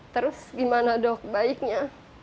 terus gimana dok baiknya